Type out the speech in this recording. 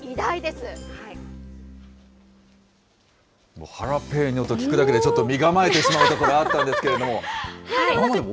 もうハラペーニョと聞くだけで、ちょっと身構えてしまうところあったんですけれども、生でも